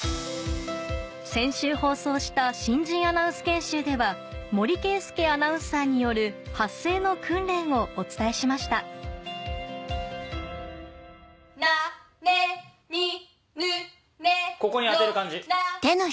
先週放送した新人アナウンス研修では森圭介アナウンサーによる発声の訓練をお伝えしましたなねにぬねのなの。